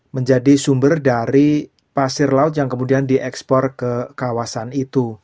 menjadi sumber dari pasir laut yang kemudian diekspor ke kawasan itu